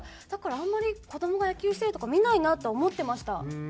だからあんまり子どもが野球してるとこ見ないなとは思ってました。